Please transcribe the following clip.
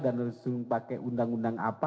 dan langsung pakai undang undang apa